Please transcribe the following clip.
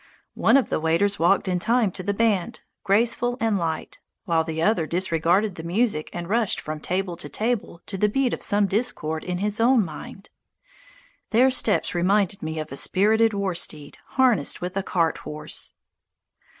One of the waiters walked in time to the band, graceful and light, while the other disregarded the music and rushed from table to table to the beat of some discord in his own mind. Their steps reminded me of a spirited war steed harnessed with a cart horse.